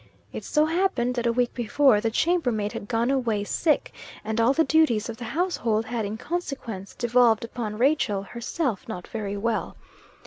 It so happened that a week before, the chambermaid had gone away, sick, and all the duties of the household had in consequence devolved upon Rachel, herself not very well.